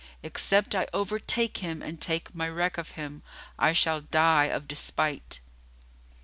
Except I overtake him and take my wreak of him, I shall die of despite."